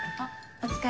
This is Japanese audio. お疲れ。